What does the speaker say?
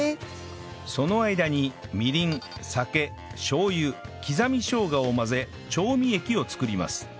その間にみりん酒しょう油刻みしょうがを混ぜ調味液を作ります